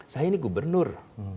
saya ini gubernur